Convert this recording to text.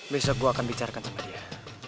besok gue akan bicarakan sama dia